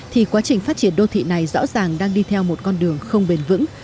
thì quá trình phát triển đô thị này rõ ràng đang đi theo một con đường không bền vững